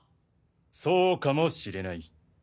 そうかもしれない。